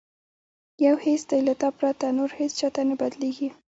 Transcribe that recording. یو حس دی له تا پرته، نور هیڅ چاته نه بدلیږي